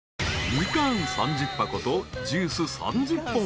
［ミカン３０箱とジュース３０本］